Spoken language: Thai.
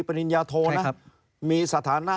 เป็นยาโทนะมีสถานะ